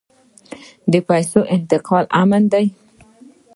د پیسو انتقال امن دی؟